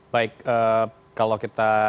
baik kalau kita